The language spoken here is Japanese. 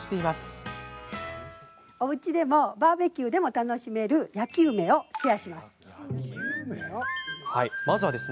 おうちでもバーベキューでも楽しめる焼き梅をシェアします。